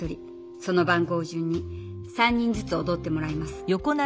その番号じゅんに３人ずつおどってもらいます。